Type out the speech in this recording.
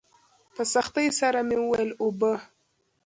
په سختۍ سره مې وويل اوبه.